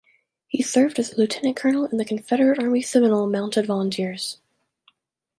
He served as a Lieutenant Colonel in the Confederate Army Seminole Mounted Volunteers.